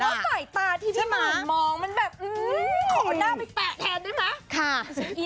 เพราะว่าสัยตาตีพี่หมุนมองมันแบบของหน้าไปเตะแทนได้ไหม